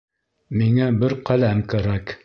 Миңә бер ҡәләм кәрәк